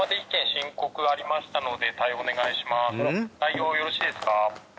「対応よろしいですか？」